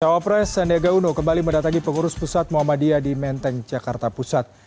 cawapres sandiaga uno kembali mendatangi pengurus pusat muhammadiyah di menteng jakarta pusat